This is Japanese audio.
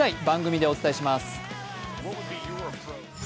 番組でお伝えします。